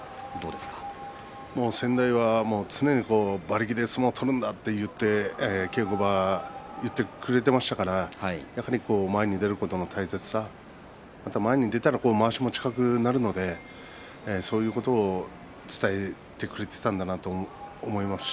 先代は常に馬力で相撲を取るんだと言って稽古場で言ってくれていましたからやっぱり前に出ることの大切さ、また前に出たらまわしも近くなるのでそういうことも伝えてくれていたんだなと思います。